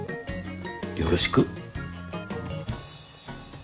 よろしく。